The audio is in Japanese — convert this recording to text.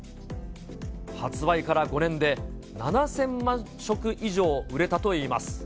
発売から５年で７０００万食以上売れたといいます。